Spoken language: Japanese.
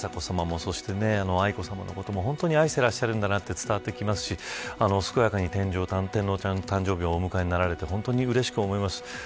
雅子さまも愛子さまのことも本当に愛していらっしゃることが伝わりますし健やかに天皇誕生日を迎えになられてうれしく思います。